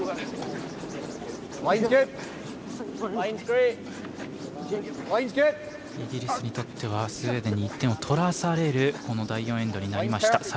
イギリスにとってはスウェーデンに１点を取らされるこの第４エンドになりました。